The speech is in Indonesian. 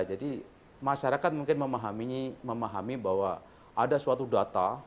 jadi masyarakat mungkin memahami bahwa ada suatu data